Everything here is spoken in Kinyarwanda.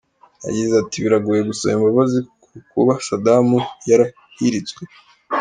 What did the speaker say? Yagize ati “ Biragoye gusaba imbabazi ku kuba Saddam yarahiritswe.